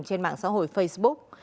trên mạng xã hội facebook